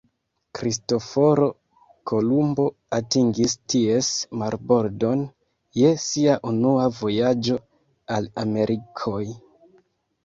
Kristoforo Kolumbo atingis ties marbordon je sia unua vojaĝo al Amerikoj.